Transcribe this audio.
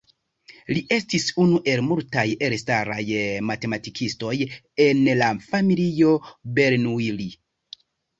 Li estis unu el multaj elstaraj matematikistoj en la familio Bernoulli.